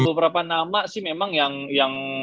beberapa nama sih memang yang